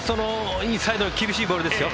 インサイドの厳しいボールですよ。